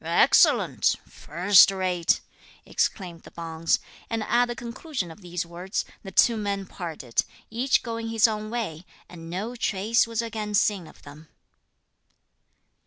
"Excellent! first rate!" exclaimed the Bonze. And at the conclusion of these words, the two men parted, each going his own way, and no trace was again seen of them.